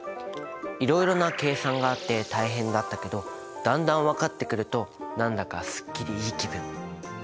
いろいろな計算があって大変だったけどだんだん分かってくると何だかすっきりいい気分！